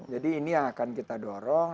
jadi ini yang akan kita dorong